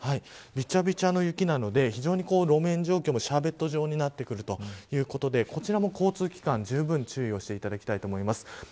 びちゃびちゃの雪なので路面状況もシャーベット状になってくるということでこちらも交通機関、じゅうぶん注意をしていただきたいと思います。